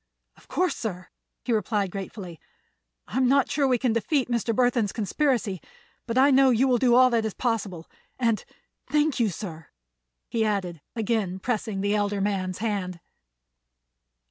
"Of course, sir," he replied gratefully. "I'm not sure we can defeat Mr. Burthon's conspiracy, but I know you will do all that is possible. And thank you, sir," he added, again pressing the elder man's hand.